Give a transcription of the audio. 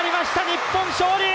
日本、勝利！